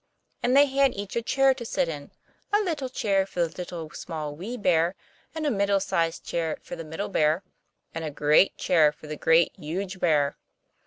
And they had each a chair to sit in; a little chair for the Little, Small, Wee Bear; and a middle sized chair for the Middle Bear; and a great chair for the Great, Huge Bear.